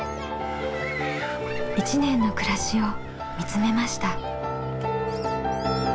１年の暮らしを見つめました。